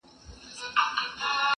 زوره وره هيبتناكه تكه توره!.